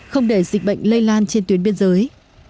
không để dịch bệnh lây lan trên tuyến biên giới